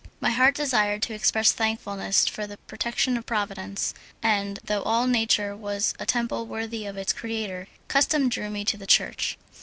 My heart desired to express thankfulness for the protection of Providence, and, though all nature was a temple worthy of its Creator, custom drew me to the church.